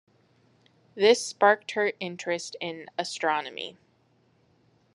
This sparked her interest in astronomy.